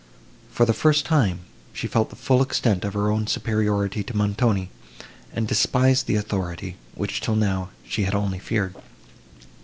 For the first time, she felt the full extent of her own superiority to Montoni, and despised the authority, which, till now, she had only feared.